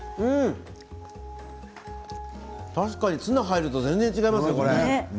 確かにツナ入ると全然違いますねこれ。